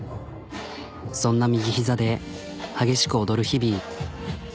そんな右膝で激しく踊る日々。